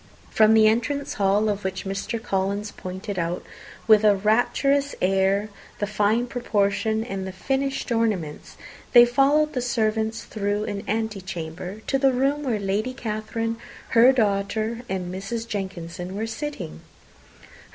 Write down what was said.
From the entrance hall, of which Mr. Collins pointed out, with a rapturous air, the fine proportion and finished ornaments, they followed the servants through an antechamber to the room where Lady Catherine, her daughter, and Mrs. Jenkinson were sitting.